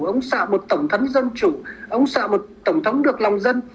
ông sợ một tổng thống dân chủ ông sợ một tổng thống được lòng dân